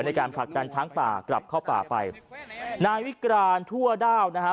ในการผลักดันช้างป่ากลับเข้าป่าไปนายวิกรานทั่วด้าวนะฮะ